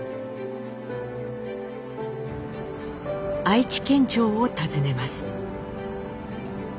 愛知県庁を訪ねます。